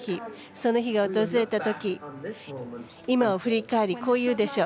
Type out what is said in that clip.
その日が訪れたとき今を振り返り、こう言うでしょう。